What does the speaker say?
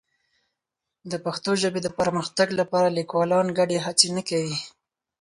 د پښتو ژبې د پرمختګ لپاره لیکوالان ګډې هڅې نه کوي.